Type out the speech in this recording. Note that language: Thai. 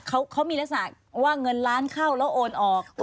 เขามีลักษณะว่าเงินล้านเข้าแล้วโอนออก